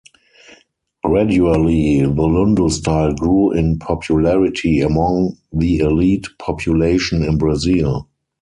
Gradually, the lundu style grew in popularity among the elite population in Brazil.